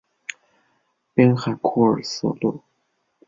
滨海库尔瑟勒。